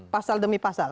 pasal demi pasal